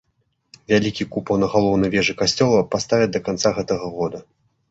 Вялікі купал на галоўнай вежы касцёла паставяць да канца гэтага года.